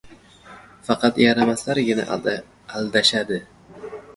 Faqat yaramaslargina aldashadi.